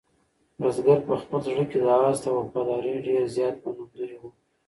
بزګر په خپل زړه کې د آس د وفادارۍ ډېر زیات منندوی و.